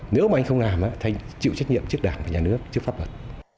nếu mà anh không làm anh chịu trách nhiệm trước đảng và nhà nước trước pháp luật